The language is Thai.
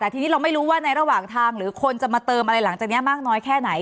แต่ทีนี้เราไม่รู้ว่าในระหว่างทางหรือคนจะมาเติมอะไรหลังจากนี้มากน้อยแค่ไหน